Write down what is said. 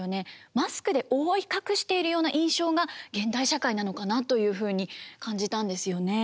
マスクで覆い隠しているような印象が現代社会なのかなというふうに感じたんですよね。